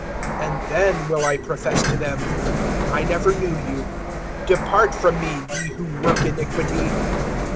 (23)And then will I profess to them, I never knew you; depart from me, ye who work iniquity.